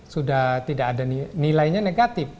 sudah tidak ada nilainya negatif